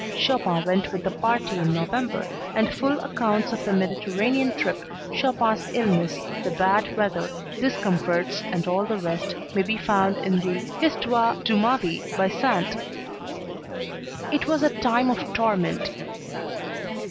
Chopin went with the party in November and full accounts of the Mediterranean trip, Chopin's illness, the bad weather, discomforts and all the rest may be found in the "Histoire de Ma Vie" by Sand. It was a time of torment.